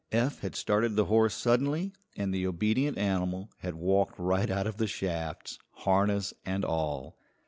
Eph had started the horse suddenly, and the obedient animal had walked right out of the shafts, harness and all.